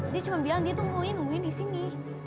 dia cuma bilang dia tungguin tungguin disini